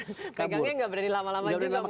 pegangnya tidak berani lama lama juga mungkin